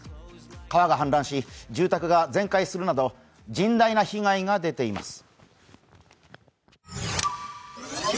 川が氾濫し、住宅が全壊するなど甚大な被害が出ています。